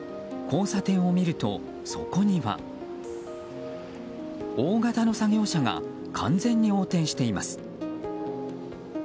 交差点を見ると、そこには大型の作業車が完全に横転しています。